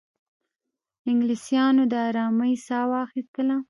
انګلیسیانو د آرامۍ ساه وایستله.